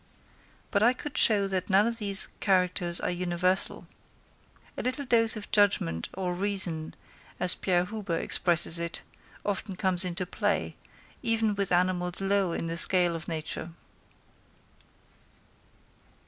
But I could show that none of these characters are universal. A little dose of judgment or reason, as Pierre Huber expresses it, often comes into play, even with animals low in the scale of nature.